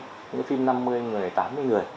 những phim năm mươi người tám mươi người